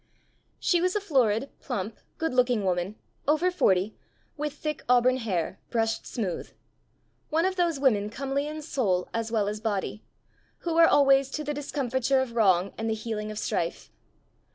She was a florid, plump, good looking woman, over forty, with thick auburn hair, brushed smooth one of those women comely in soul as well as body, who are always to the discomfiture of wrong and the healing of strife.